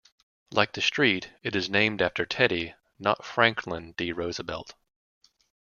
Like the street, it is named after Teddy, not Franklin D. Roosevelt.